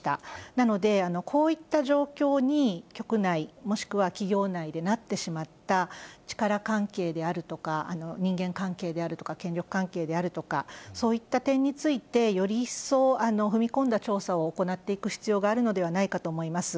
なので、こういった状況に局内、もしくは企業内でなってしまった力関係であるとか、人間関係であるとか、権力関係であるとか、そういった点について、より一層、踏み込んだ調査を行っていく必要があるのではないかと思います。